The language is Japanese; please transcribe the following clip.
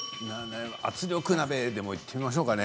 圧力鍋でもいってみましょうかね。